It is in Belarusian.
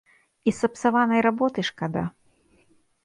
І сапсаванай работы шкода.